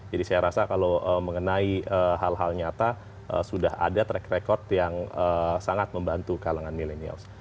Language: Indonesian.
jadi saya rasa kalau mengenai hal hal nyata sudah ada track record yang sangat membantu kalangan millennials